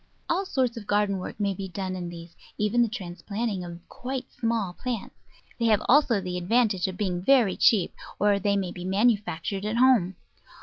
All sorts of garden work may be done in these, even the transplanting of quite small plants. They have also the advantage of being very cheap, or they may be manufactured at home.